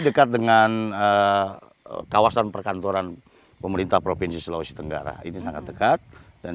dekat dengan kawasan perkantoran pemerintah provinsi sulawesi tenggara ini sangat dekat dan